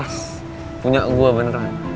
pas punya gua beneran